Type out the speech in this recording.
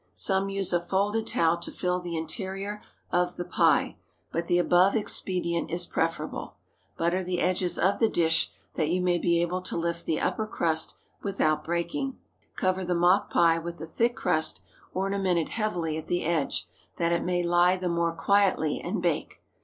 Some use a folded towel to fill the interior of the pie, but the above expedient is preferable. Butter the edges of the dish, that you may be able to lift the upper crust without breaking. Cover the mock pie with the thick crust, ornamented heavily at the edge, that it may lie the more quietly, and bake.